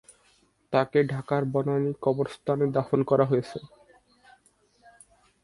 তাকে ঢাকার বনানী কবরস্থানে দাফন করা হয়েছে।